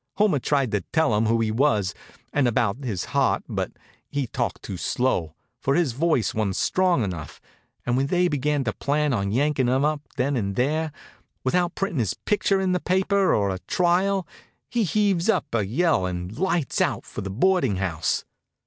Homer tried to tell 'em who he was, and about his heart, but he talked too slow, or his voice wa'n't strong enough; and when they began to plan on yankin' him up then and there, without printin' his picture in the paper, or a trial, he heaves up a yell and lights out for the boarding house.